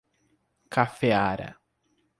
Cafeara